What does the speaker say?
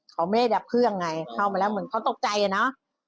ขอเมฆดับเครื่องไงเข้ามาแล้วเหมือนเขาตกใจเนอะ